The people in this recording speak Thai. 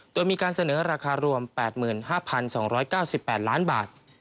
โดยมีการเสนอราคารวม๘๕๒๙๘ล้านบาท